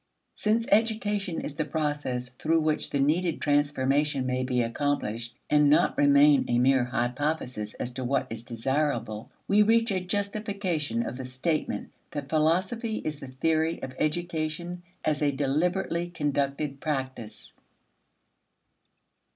Since education is the process through which the needed transformation may be accomplished and not remain a mere hypothesis as to what is desirable, we reach a justification of the statement that philosophy is the theory of education as a deliberately conducted practice.